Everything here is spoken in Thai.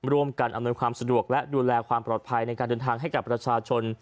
ร่วมกันอำนวยความสะดวกและดูแลความปลอดภัยในการเดินทางให้กับประชาชน